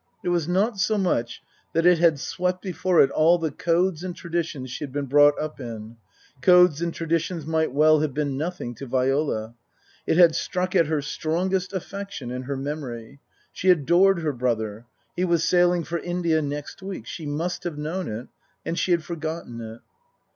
It was not so much that it had swept before it all the codes and traditions she had been brought up in codes and traditions might well have been nothing to Viola it had struck at her strongest affection and her memory. She adored her brother. He was sailing for India next week ; she must have known it ; and she had forgotten it.